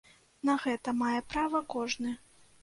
На гэта мае права кожны.